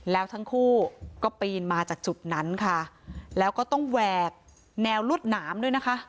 แล้วทั้งคู่ก็ปีนมาจากจุดนั้นค่ะแล้วก็ต้องแหวกแนวรวดหนามด้วยนะคะ